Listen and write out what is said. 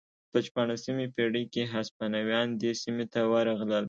په شپاړسمې پېړۍ کې هسپانویان دې سیمې ته ورغلل.